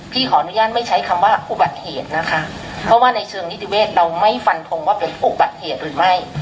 พี่ขออนุญาตไม่ใช้คำว่าอุบัติเหตุนะคะเพราะว่าในเชิงนิติเวศเราไม่ฟันทงว่าเป็นอุบัติเหตุหรือไม่